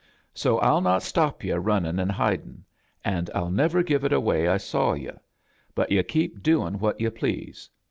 So I'll not stop yu* rtinnin' and fudtn', and Til never give it away I saw yu', but yu' keep 6xAn' what yu' please.